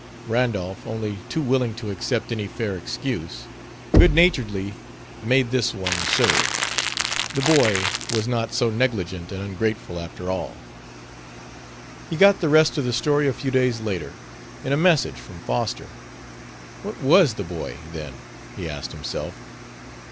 Randolph, only too willing to accept any fair excuse, good naturedly made this one serve: the boy was not so negligent and ungrateful, after all. He got the rest of the story a few days later, in a message from Foster. What was the boy, then? he asked himself.